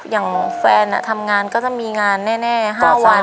อย่างแฟนทำงานก็จะมีงานแน่๕วัน